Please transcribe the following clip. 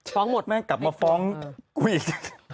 เราอย่างกลับมาฟ้องกูอีก